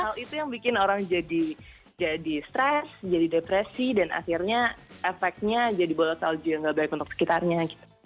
hal itu yang bikin orang jadi stres jadi depresi dan akhirnya efeknya jadi bola salju yang gak baik untuk sekitarnya